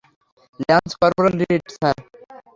Lance corporal Reid, sir.